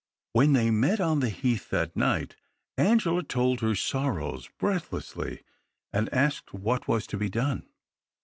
When they met on the heath that night, Angela told her sorrows breathlessly, and asked what was to be done.